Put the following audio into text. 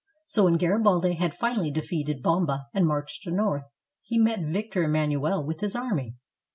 So when Garibaldi had finally defeated Bomba and marched north, he met Victor Emmanuel with his army.